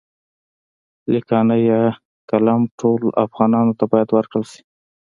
لیکانی يا قلم ټولو افغانانو ته باید ورکړل شي.